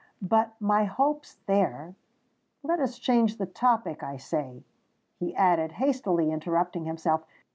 But my hopes there——Let us change the topic, I say!" he added, hastily interrupting himself.